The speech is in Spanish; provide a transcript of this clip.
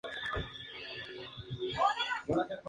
Es así como se empieza a registrar la Historia económica de África.